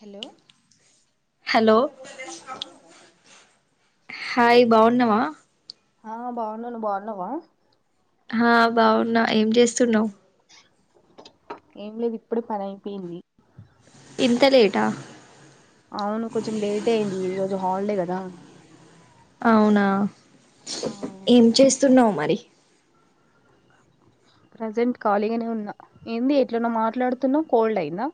Hello hello hi బాగున్నావా ఆ బాగున్నా ను బాగున్నావా హా బావున్నా ఏం చేస్తున్నావ్ ఏం లేదు ఇప్పుడే పని అయిపోయింది ఇంత లేటా అవును కొంచెం లేటే అయింది ఈరోజు హాలిడే కదా అవునా ఏం చేస్ స్తున్నావు మరి ప్రజెంట్ ఖాళీగానే ఉన్నా ఏంది ఎట్లనో మాట్లాడుతున్నావ్ కోల్డ్ అయిందా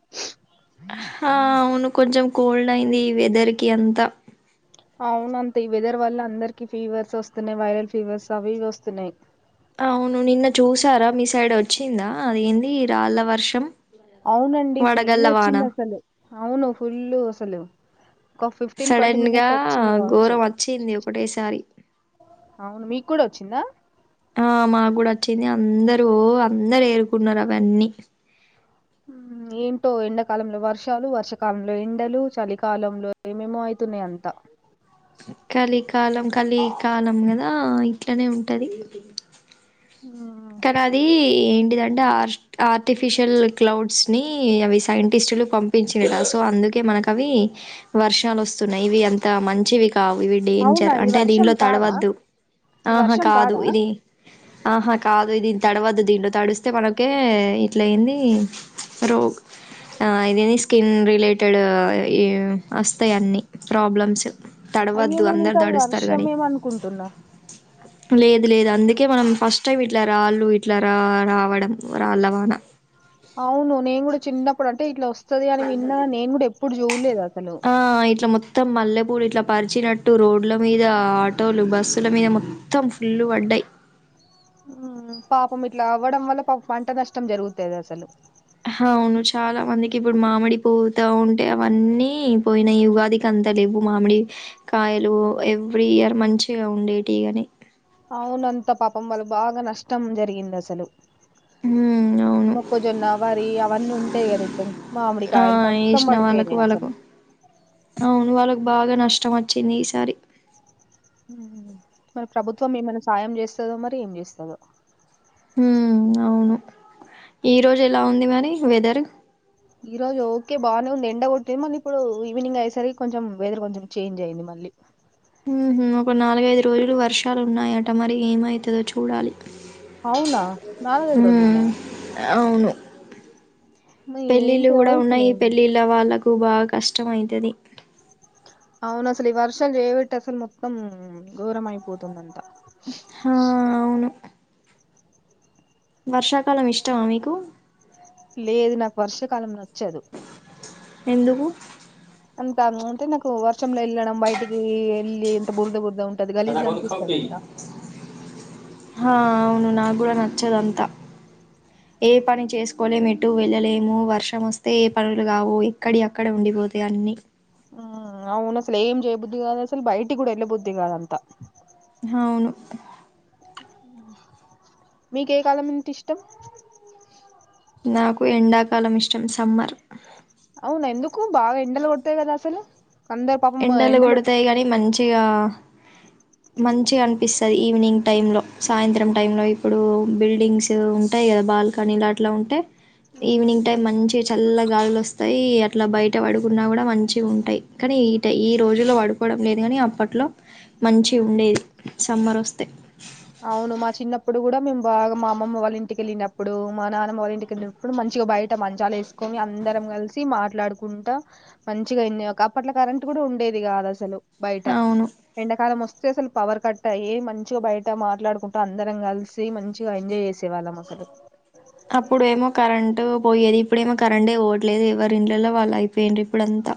హా అవును కొంచెం కోల్డ్ అయింది వెదర్ కి అంతా అవున అంతే ఈ వెదర్ వల్ల అందరికి ఫీవర్స్ వస్తున్నాయి వైరల్ ఫీవర్స్ అవి ఇవి వస్తున్నాయి అవును నిన్న చూసారా మీ సైడ్ వచ్చిందా అదేంది రాళ్ళ వర్షం అవునండి ఫుల్ వడగళ్ళ వాన వచ్చింది అసలు అవును ఫుల్ అసలు ఒక ఫిఫ్టీన్ ట్వంటీ సడన్ గా మినిట్స్ వచ్చింది కావచ్చు ఘోరం వచ్చింది ఒకటేసారి నా ఆ మాకు కూడా వచ్చింది అందరు ఓ అందరు ఏరుకున్నారు అవన్నీ ఏంటో ఎండాకాలంలో వర్షాలు వర్షాకాలంలో ఎండలు చలికాలంలో ఏమేమో అవుతున్నాయి అంతా కలికాలం కలికాలం కదా ఇట్లనే ఉంటది మ్మ్ కానదీ టే ఆర్టిఫిషియల్ క్లౌడ్స్ ని అవి సైంటిస్టులు పంపించిరు సో అందుకే మనకు అవి వర్షాలు వస్తున్నాయి ఇవి అంత మంచివి కావు ఇవి అవునా డేంజర్ ఇది అంటే వర్షం దీంట్లో కాదా తడవద్దు ఇది ఆహా వర్షం కాదు కాదా ఇది ఆహా కాదు దీన్ని తడవద్దు దీంట్లో తడిస్తే మనకే ఇట్లయింది రోగ్ ఇదేంది స్కిన్ రిలేటెడ్ వస్తాయి అన్నీ ప్రాబ్లమ్స్ అయ్యో తడవద్దు నేను అందరు ఇంకా అది తడుస్తారు కానీ వర్షమేమనుకుంటున్నా. లేదు లేదు అందుకే మనం ఫస్ట్ టైం ఇట్లా రాళ్ళు ఇట్లా రా రావడం రాళ్ళవాన. అవును నేను కూడా చిన్నప్పుడు అంటే ఇట్లా వస్ స్తది అని విన్నా నేను కూడా ఎప్పుడు చూలేదు అసలు. త్తం మల్లెపూలు ఇట్లా పరిచినట్టు రోడ్ల మీద ఆటోలు బస్సుల మీద మొత్తం ఫుల్లు పడ్డాయి. పాపం ఇట్లా అవ్వడం వల్ల పాపం పంట నష్టం జరుగుతాది అసలు. హవును చాలా మందికి ఇప్పుడు మామిడి పూతా ఉంటే అవన్నీ పోయినాయి ఉగాదికి అంత లేవు మామిడి కాయలు ఎవ్రీ ఇయర్ మంచిగా ఉండేటిగాని. అవునంత పాపం వల్లక్ బాగా నష్టం జరిగింది అసలు. ఉమ్ అవును మొక్కజొన్న వరి అవన్నీ ఉ. అంతే కదా ఇప్డూ ఆ ఏసినా వాళ్ళకు వాళ్ళకు అవును వాళ్ళకు. బాగా నష్టం వచ్చింది ఈసారి. మరి ప్రభుత్వం ఏమైనా సహాయం చేస్తుందో మరి ఏం చేస్తదో. హ్మ్ అవును ఈ రోజు ఎలా ఉంది మరి వెదర్. ఈ రోజు ఓకే బాగానే ఉంది. ఎండ కొట్టింది మళ్ళీ ఇప్పుడు ఈవినింగ్ అయ్యేసరికి, కొంచెం వెదర్ కొంచెం చేంజ్ అయింది మళ్ళీ. హూ ఒక నాలుగైదు రోజులు వర్షాలు ఉన్నాయి. అంటా మరి ఏమయితదో చూడాలి. అవునా నాలుగైదు రోజులు హ్మ్ ఉన్నాయా అవును. పెళ్ళిళ్ళు ఏంటి కూడా ఉన్నాయి వయసులేమి పెళ్ళిళ్ళు వాళ్ళకు. క్కు బాగా కష్టం అయితాది. అవును అసలు ఈ వర్షాలు చేవిటి అసలు మొత్తం ఘోరంమై పోతుందంటా. హా అవును. వర్షాకాలం ఇష్టమా మీకు. లేదు నాకు వర్షాకాలం నచ్చదు. ఎందుకు. అంత అంటే నాకు వర్షంలో వెళ్ళడం బయటికి వెళ్ళి బురద కొట్ హా అవును. కూడా నచ్చదంతా ఏ పని చేసుకోలేము ఎటు వెళ్ళలేము వర్షం వస్తే ఏ పనులు కావు ఇక్కడి అక్కడ ఉండిపోతాయి అన్ని అవును అసలు ఏం చేయబుద్ది కాదు అసలు బయటికి కూడా వెళ్ళ బుద్ది కాదంతా. హవును. మీకు ఏ కాలం ఇష్టం. నాకు ఎండాకాలం ఇష్టం సమ్మర్. అవును ఎందుకు బాగా ఎండలు కొడుతాయి కదా అసలు. అందరు పాపం ఎండలు కొడుతాయి గాని మంచి. మంచిగా మంచిగా అనిపిస్తది. ఈవినింగ్ టైం లో, సాయంత్రం టైంలో ఇప్పుడు బిల్డింగ్స్ ఉంటాయి కదా బాల్కనీ లాట్లా ఉంటే. ఈవినింగ్ టైమ్ నుంచి. చల్ల గాలులు వస్తాయి అట్లా బయట పడుకున్నా కూడా మంచిగ ఉంటాయి కానీ. అంటే ఈ రోజులో పడుకోవడం లేదు కానీ అప్పట్లో మంచి ఉండేది సమ్మర్ వస్తే. అవును మా చిన్నప్పుడు కూడా మేము బాగా మా అమ్మమ్మ వాళ్ళ ఇంటికెళ్ళినప్పుడు, మా నాన్నమ్మ వాళ్ళ ఇంటిక వెళ్ళినప్పుడు, మంచిగా బయట మంచాల వేసుకొని, అందరం కలిసి మాట్లాడుకుంటా, మంచిగా వె అప్పట్ల కరెంట్ కూడా ఉండేది కాదు అసలు. బయట అవును ఎండకాలం మొస్తే అసలు. పవర్ కట్ అయ్యి మంచిగా బయట అంత మాట్లాడుకుంటూ అందరం కలిసి మంచిగా ఎంజాయ్ చేసేవాళ్ళం అసలు. అప్పుడేమో కరెంట్ పోయేది ఇప్పుడేమో కరెంట్ఏ పోవట్లేదు. ఎవరి ఇళ్లల్లో వాళ్ళు అయిపోయింరు. ఇప్పుడంతా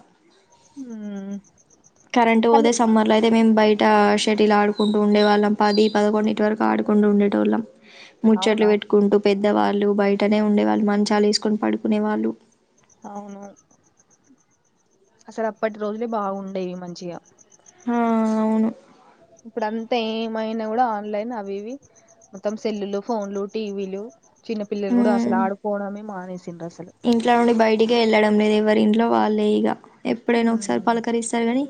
ఉ కరంట్ పోతే సమ్మర్ల అయితే మేం బయట షటిల్ ఆడుకుంటూ ఉండే వాళ్ళం. పది పదకొండింటి వరకు ఆడుకుంటూ ఉండేటోల్లం. ముచ్చట్లు అవునా పెట్టుకుంటూ పెద్ద పెద్దవాళ్ళు బయటనే ఉండే వాళ్ళు. మంచాలు వేసుకొని పడుకునే వాళ్ళు. అవును అసలు అప్పటి రోజులే బాగుండేవి మంచిగా ఆ అవును. ఇప్పుడ అంతా ఏమైనా కూడా ఆన్లైన్ అవివి మొత్తం సెల్లులు, ఫోన్లు, టీవీలు. చిన్న పిల్లలు కూడా అసలు హ్మ్. ఆడుకోవడమే మానేసిన్రు సిన్రు అసలు టికే వెళ్ళడం లేదు ఎవరి ఇంట్లో వాళ్ళే ఇగ ఎప్పుడైనా ఒకసారి పలకరిస్తారు కాని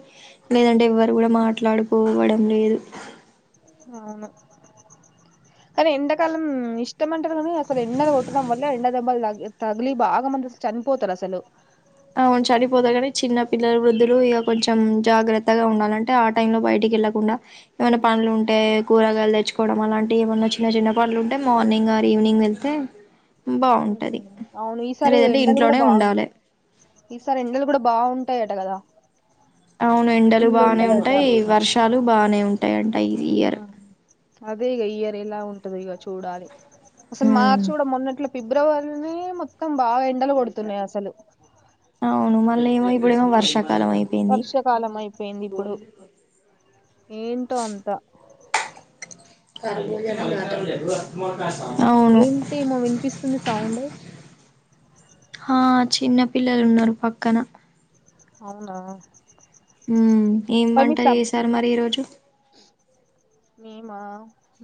లేదంటే ఎవ్వరు కూడా మా ట్లాడుకోవడం లేదు అవును కానీ ఎండాకాలం ఇష్టమంటారు కానీ అసలు ఎండలు కొట్టడం వల్ల ఎండ దెబ్బలు తగిలి తగిలి బాగా మంది చనిపోతారు అసలు అవును చనిపోతారు కానీ చిన్న పిల్లలు వృద్ధులు ఇగ కొంచెం జాగ్రత్తగా ఉండాలంటే ఆ టైం లో బయటికి వెళ్ళకుండా ఏమైనా పనులు ఉంటే కూరగాయలు తెచ్చుకోవడం అలాంటివి ఏమైన్నా చిన్న చిన్న పనులు ఉంటే మార్నింగ్ ఆర్ ఈవినింగ్ వెళ్తే బావుంటది అవును ఈసారి లేదంటే ఎండలు కూడా ఇంట్లోనే బాగు ఉండాలె ఈసారి ఎండలు కూడా బావుంటాయట కదా అవును ఎండలు ఫుల్ బానే ఉంటాయట ఉంటాయి వర్షాలు బానే ఉంటాయి అంట ఈ ఇయర్ ఆ అదే ఇగ ఇయర్ ఎలా ఉంటది ఇగ చూడాలి అసలు హ్మ్ మార్చ్ కూడా మొన్నట్లే ఫిబ్రవరి నే మొత్తం బాగా ఎండలు కొడుతున్నాయి అసలు ళ్ళీ ఇప్పుడూ ఏమో వర్ష వర్షాకాలం అయిపోయింది ఇప్పుడు ఏంటో అంతా [inaudible] అవును ఏంటి ఏమో వినిపిస్తుంది సౌండ్ హా చిన్న పిల్లలు ఉన్నారు పక్కన అవునా ఉమ్ ఏం మరి మీ వంట సబ్ చేసారు మరి ఈ రోజు మేమా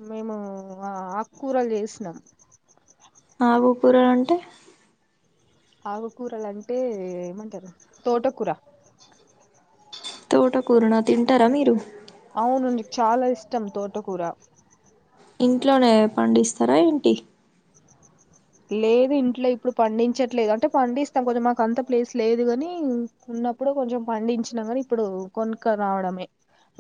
మేము ఆక్కూరలు చేసినం ఆకు కూరలంటే ఆకుకూరలుంటే ఏమంటారు తోటకూర తోట కూరు నా తింటారా మీరు అవును [inaudible] చాలా ఇష్టం తోటకూర ఇంట్లోనే పండిస్తారా ఏంటి లేదు ఇంట్లో ఇప్పుడు పండించట్లేదు అంటే పండిస్తాం కొంచెం మాకు అంత ప్లేస్ లేదు గాని ఉన్నప్పుడు కొంచెం పండించినాం గాని ఇప్పుడు కొనుక్కరావడమే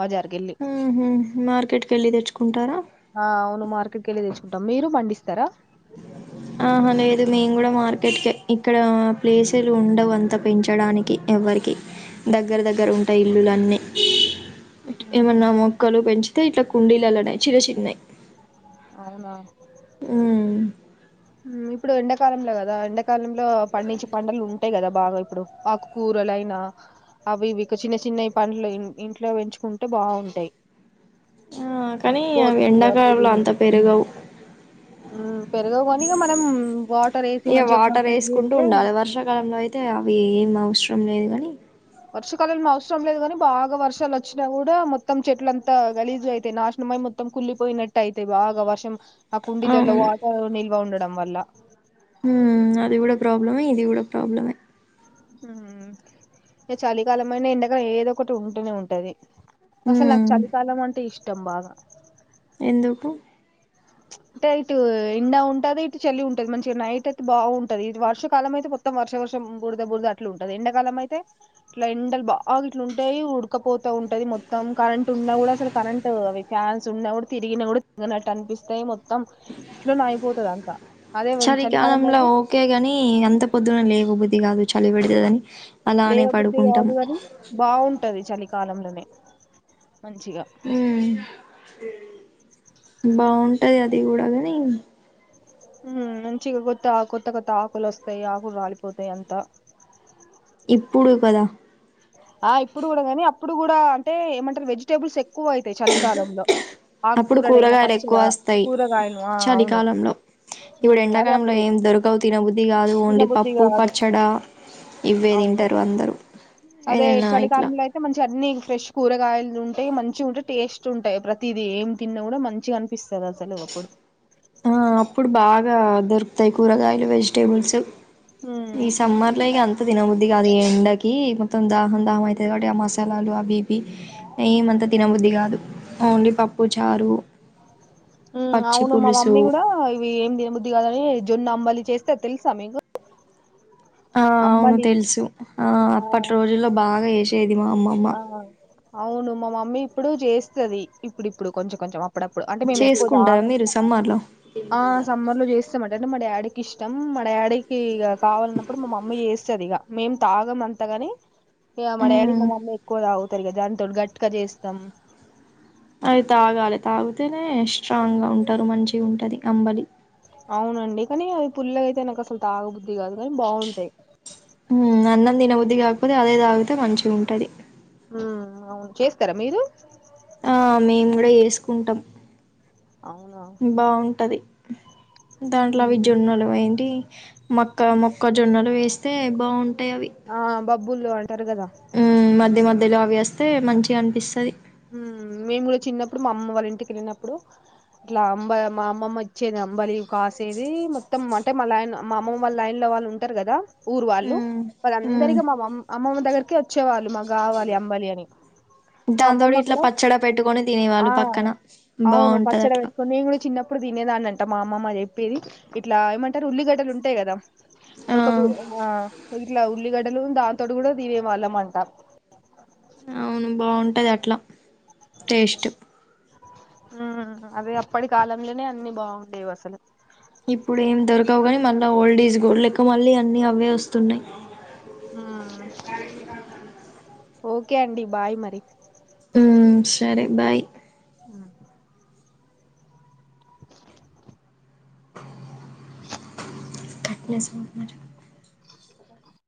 బజార్కెళ్ళి ఉమ్ హూ మార్కెట్ కెళ్ళి తెచ్చుకుంటారా ఆ అవును మార్కెట్ కెళ్ళి తెచ్చుకుంటాం మీరు పండిస్తారా ఆహా లేదు మేము కూడా మార్కెట్ కే ఇక్కడ ప్లేసులు ఉండవు అంతా పెంచడానికి ఎవ్వరికి దగ్గర దగ్గర మ్మ్. ఉంటాయ్ ఇల్లులన్నీ మ్మ్హ. ఏమన్నా మొక్కలు పెంచి ఇట్లా కుండీలల్లోనే చిన్న చిన్నయి అవునా ఉమ్ ఇప్పుడు ఎండాకాలంలో కదా ఎండాకాలంలో పండించి పంటలు ఉంటాయి కదా బాగా ఇప్పుడు ఆకుకూరలుయినా అవి ఇక చిన్న చిన్నవి పండ్లు ఇంట్లో పెంచుకుంటే బావుంటాయి ఆ కానీ అవి ఎండాకాలం ల అంత పెరగవు మ్మ్ పెరుగవు కాని ఇగ మనం వాటర్ వేసి ఇగ మంచిగా వాటర్ [inaudible] వేసుకుంటూ చేస్తే ఉండాలి వర్షాకాలంలో అయితే అవి ఏం అవసరం లేదు గనీ వర్షకాలంలో అవసరం లేదు కాని బాగా వర్షాలు వచ్చినా కూడా మొత్తం చెట్లంతా గలీజు అయితాయి నాశనంమై మొత్తం కుళ్లిపోయినట్టు అయితాయి బాగా వర్షం ఆ కుండీల్లో అవును వాటర్ నిల్వ ఉండద్ డం వల్ల అది కూడా ప్రాబ్లమే ఇది కూడా ప్రాబ్లమే హుమ్ చలికాలమైన ఎండకాలం అయిన ఏదో ఒకటి ఉంటూనే ఉంటది అసలు నాకు ఉమ్ చలికాలం అంటే ఇష్ట ట్టొంభాగా ఎందుకు అంటే ఇటు ఎండ ఉంటది ఇటు చలి ఉంటది మంచిగా నైట్ అయితే బాగుంటది ఇది వర్షాకాలం అయితే మొత్తం వర్ష వర్షం బుర్ద బుర్ద అట్లు ఉంటది ఎండాకాలం అయితే ఇట్లా ఎండలు బాగా ఇట్లుంటాయి ఉడకపోతా ఉంటది మొత్తం కరెంట్ ఉన్నా కూడా అసలు కరెంట్ అవి ఫ్యాన్స్ ఉన్నా కూడా తిరిగిన కూడా తిరగనట్టు అనిపిస్తాయి మొ అదే చలి చలికాలంలో కాలంలో అయితే ఓకేగాని అంత పొద్దున లేవబుద్ధి కాదు చలిబేడతదని లేవ బుద్ధి కాదు కాని బాగుంటది చలి కాలంలోనే మంచిగా ఉమ్ బాగుంటది అది కూడా గని ఉమ్ మంచిగా కొత్త కొత్త కొత్త ఆకులు వస్తాయి ఆకులు రాలిపోతాయి అంతా ఇప్పుడు కదా ఆ ఇప్పుడు కూడా గానీ అప్పుడు కూడా అంటే ఏమంటారు వెజిటేబుల్స్ ఎక్ అప్పుడు ఆకుకూరలైనా కూరగాయలు ఎక్కువ పచ్చగా వస్తాయి కూరగాయలు ఆ అవును చలికాలంలో ఇప్పుడు ఉమ్, అదే ఎండాకాలంలో అప్పుడు ఏం దొరకవు తినబుద్ధి కాదు ఓన్లీ తినబుద్ధి పప్పు కాదు పచ్చడా ఇవ్వే అవును తింటారు అందరూ అదే ఏదైనా ఇట్లా చలికాలంలో అయితే మంచి అన్ని ఫ్రెష్ కూరగాయలు ఉంటాయి మంచిగా ఉంటాయి టేస్ట్ ఉంటాయి ప్రతీది ఏం తిన్నా కూడా మంచిగానిపిస్తది అసలు అప్పుడు ఆ అప్పుడు బాగ్ గా దొరుకుతాయి కూరగాయలు వెజిటేబుల్స్ ఉమ్, ఈ సమ్మర్ లో ఇంగ అం త తినబుద్ది కాదు ఎండకి మొత్తం దాహం దాహం అయితది కాబట్టి ఆ మసాలాలు అవి ఏమంతా తినబుద్ధి కాదు ఓన్లీ పప్పు చారు ఉమ్, పచ్చి అవును మా పులుసు మమ్మీ కూడా ఇవి ఏమి దిన బుద్ధి కాదని జొన్న అంబలి చేస్తరు తెలుసా మీకు ఆ అవును అంబలి తెలుసు ఆ అప్పటి రోజుల్లో బాగా చేషే చేదిమా అమ్మమ్మ ఆ అవును మా మమ్మీ ఇప్పుడు చేస్తుది ఇప్పుడు ఇప్పుడు కొంచెం కొంచెం అప్పుడప్పుడు అంటే మేము ఎక్కువ చేసుకుంటారా తాగం మీరు సమ్మర్ లో ఆ సమ్మర్ లో చేస్తామం టే మా డాడీకి ఇష్టం మా డాడీకి కావాలన్నప్పుడు మా మమ్మీ చేస్తది ఇగ మేం తాగం అంతగాని ఇగ మా డ్యాడీ ఉమ్ మా మమ్మీ ఎక్కువ తాగదు చేస్తారు కదా దానికి తోడు గట్టిగా చేస్తాం అది తాగాలి తాగితేనే స్ట్రాంగ్ గా ఉంటారు మంచి ఉంటది అంబలి అవునండి కానీ అవి పుల్లగ అయితే నాకు అసలు తాగబుద్ది కాదు కానీ బాగుంటాయి ఉ అన్నం తిన బుద్ధి బుద్ధి కాకపోయినా అదే తాగితే మంచిగా ఉంటది ఉ అవును చేస్తారా మీరు ఆ మేము కూడా చేసుకుంటాం అవునా బాగుంటది దాంట్లో అవి ఉమ్ జొన్నలు అవి ఏంటి మొక్క మొక్క జొన్నలు వేస్తే బాగుం ఆ బప్ డబ్బులు తరుగదా లో అవి వేస్తే మంచిగా అనిపిస్తుంది ఉమ్ మేము కూడా చిన్నప్పుడు మా అమ్మ వాళ్ళ ఇంటికి వెళ్ళినప్పుడు ఇట్లా అంబ మా అమ్మమ్మ ఇచ్చేది అంబలి కాసేది మొత్తం అంటే మా లైన్ మా అమ్మమ్మ వాళ్ళ లైన్ లో వాళ్ళు ఉంటారు కదా ఊరు వాళ్ళు ఉమ్ వాళ్ళ ఉమ్ అందరికీ మామ్ అమ్మమ్మ దగ్గరికే వచ్ వచ్చేవాళ్లు మాకు కావాలి అంబలి అని తోడు అమ్మమ్మ ఇట్లా కూడా పచ్చడా పెట్టుకొని తినేవాళ్ళు ఆ పక్కన బాగుంటది అట్లా తింటాండ్రి అంట మా అమమ్మ చెప్పేది ఇట్లా ఏమంటారు ఉల్లిగడ్డలు ఉంటాయి కదా ఒక బూ ఆ ఇట్లా కు ఉల్లిగడ్డలు దాని తోటి కూడా దినే వాళ్ళం అంట అవును బాగుంటది అట్లా టేస్టు ఆ అదే అప్పటి కాలంలోనే అన్ని బాగుండేవి అసలు ఇప్పుడు ఏం దొరకవు కానీ మళ్ళా ఓల్డ్ ఈజ్ గోల్డ్ లెక్క మళ్ళీ అన్ని అవే వస్తున్నాయి ఊ ఓకే అండి బాయ్ మరి ఊ సరే బాయ్ అ కట్నెస్ వాడుతున్నాడు చూడు